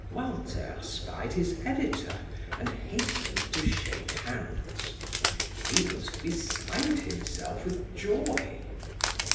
Walter spied his editor, and hastened to shake hands. He was beside himself with joy.